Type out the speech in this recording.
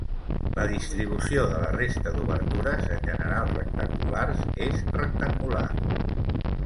La distribució de la resta d'obertures, en general rectangulars, és rectangular.